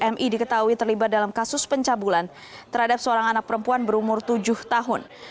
mi diketahui terlibat dalam kasus pencabulan terhadap seorang anak perempuan berumur tujuh tahun